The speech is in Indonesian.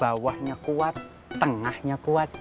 bawahnya kuat tengahnya kuat